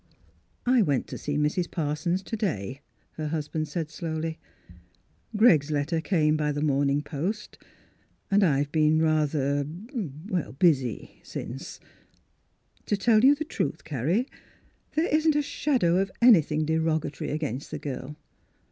" I went to see Mrs. Parsons to day," her husband said slowly. " Greg's letter came by the morning post, and I've been rather — cr — busy since. To tell you the truth, Carrie, there isn't a shadow of anything derogatory against the girl.